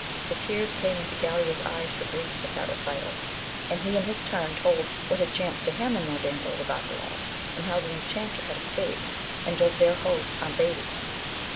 The tears came into Galaor's eyes for grief at that recital, and 238 AMADIS OF GAUL. he in his turn told what had chanced to him and Norandel with Arcalaus, and how the enchanter had escaped, and of their host Ambades.